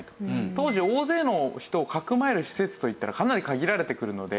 当時大勢の人をかくまえる施設といったらかなり限られてくるので。